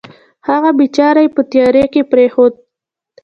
هغه بېچاره یې په تیارې کې پرېښود.